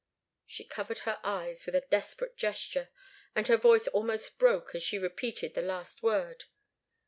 She covered her eyes with a desperate gesture, and her voice almost broke as she repeated the last word.